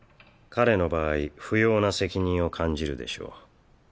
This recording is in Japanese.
彼の場合不要な責任を感じるでしょう。